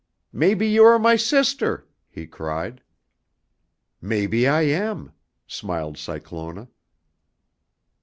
"Maybe you are my sister!" he cried. "Maybe I am," smiled Cyclona.